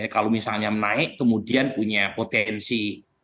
kalau misalnya menaik kemudian punya potensi